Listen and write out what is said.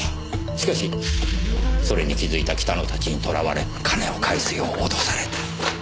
しかしそれに気づいた北野たちに捕らわれ金を返すよう脅された。